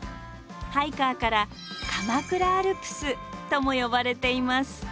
ハイカーから「鎌倉アルプス」とも呼ばれています。